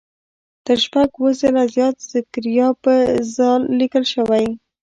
تر شپږ اووه ځله زیات زکریا په "ذ" لیکل شوی.